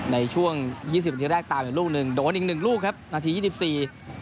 ในช่วง๒๐นาทีแรกตามอยู่ลูกนึงโดนอีก๑ลูกครับนาที๒๔